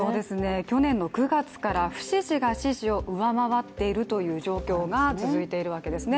去年の９月から不支持が支持を上回っているという状況が続いているわけですね。